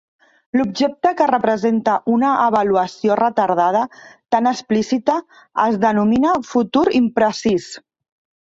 L'objecte que representa una avaluació retardada tan explícita es denomina futur imprecís.